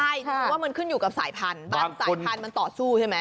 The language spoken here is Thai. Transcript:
ใช่ว่ามันขึ้นอยู่กับสายพันสายพันมันต่อสู้ใช่ไหม